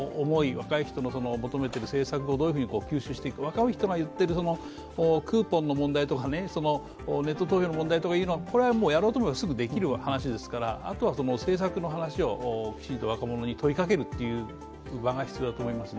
若い人の求めている政策をどういうふうに吸収していくか、若い人が言っているクーポンの問題とか、ネット投票の問題というのはやろうと思えばすぐできる話ですからあとは政策の話をきちんと若者に問いかける場が必要だと思いますね。